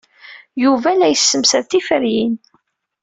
Yuba la yessemsad tiferyin.